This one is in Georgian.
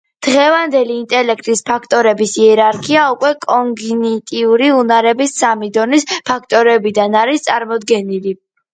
დღევანდელი ინტელექტის ფაქტორების იერარქია უკვე კოგნიტიური უნარების სამი დონის ფაქტორებად არის წარმოდგენილი.